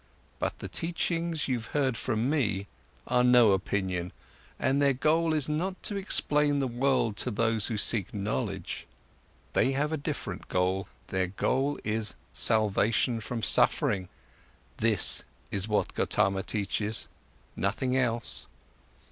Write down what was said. But the teachings, you've heard from me, are no opinion, and their goal is not to explain the world to those who seek knowledge. They have a different goal; their goal is salvation from suffering. This is what Gotama teaches, nothing else."